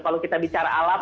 kalau kita bicara alam